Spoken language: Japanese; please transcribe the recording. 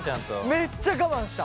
めっちゃ我慢した。